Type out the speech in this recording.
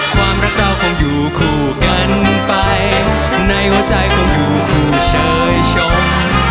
ความรักเราคงอยู่คู่กันไปในหัวใจของอยู่คู่ชายชม